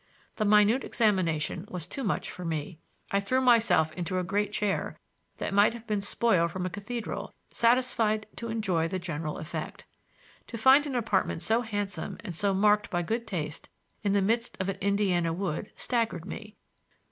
The minute examination was too much for me; I threw myself into a great chair that might have been spoil from a cathedral, satisfied to enjoy the general effect. To find an apartment so handsome and so marked by good taste in the midst of an Indiana wood, staggered me.